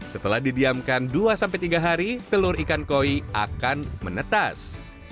setelah didiamkan dua sampai tiga hari telur ikan koi akan menetas